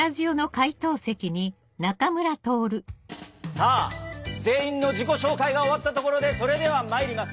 さぁ全員の自己紹介が終わったところでそれでは参ります